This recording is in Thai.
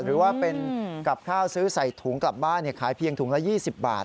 หรือว่าเป็นกับข้าวซื้อใส่ถุงกลับบ้านขายเพียงถุงละ๒๐บาท